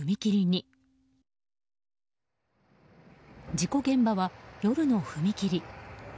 事故現場は、夜の踏切。